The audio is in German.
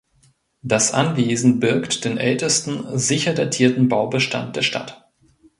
Das Anwesen birgt den ältesten sicher datierten Baubestand der Stadt.